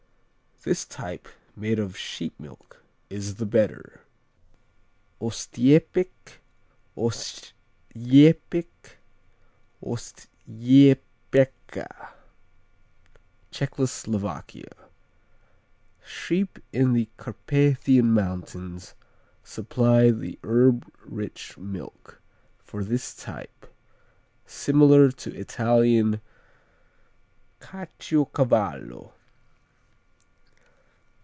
The type made of sheep milk is the better. Ostiepek, Oschtjepek, Oschtjpeka Czechoslovakia Sheep in the Carpathian Mountains supply the herb rich milk for this type, similar to Italian Caciocavallo.